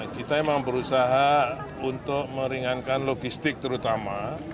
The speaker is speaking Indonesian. kita memang berusaha untuk meringankan logistik terutama